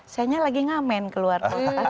sayangnya lagi ngamen keluar